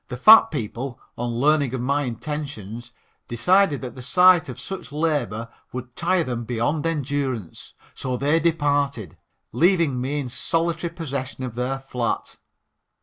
The fat people on learning of my intentions decided that the sight of such labor would tire them beyond endurance, so they departed, leaving me in solitary possession of their flat.